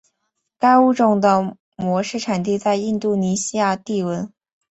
该物种的模式产地在印度尼西亚帝汶。